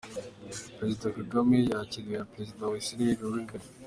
Perezida Kagame yakiriwe na Perezida wa Isiraheli Rivlin:.